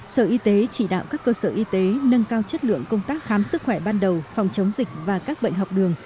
sở y tế chỉ đạo các cơ sở y tế nâng cao chất lượng công tác khám sức khỏe ban đầu phòng chống dịch và các bệnh học đường